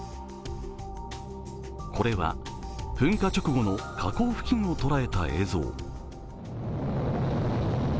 これは噴火直後の火口付近を捉えた映像。